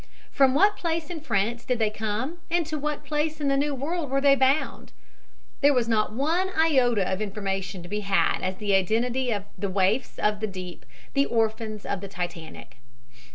From what place in France did they come and to what place in the New World were they bound? There was not one iota of information to be had as to the identity of the waifs of the deep, the orphans of the Titanic.